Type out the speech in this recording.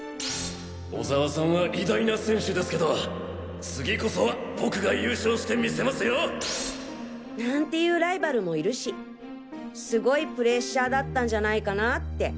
小沢さんは偉大な選手ですけど次こそは僕が優勝してみせますよなんて言うライバルもいるしすごいプレッシャーだったんじゃないかなぁって。